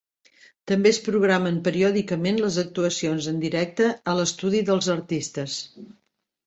També es programen periòdicament les actuacions en directe a l'estudi dels artistes.